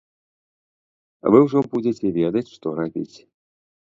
Вы ўжо будзеце ведаць, што рабіць.